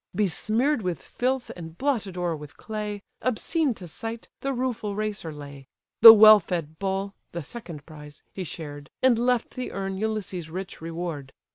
Besmear'd with filth, and blotted o'er with clay, Obscene to sight, the rueful racer lay; The well fed bull (the second prize) he shared, And left the urn Ulysses' rich reward.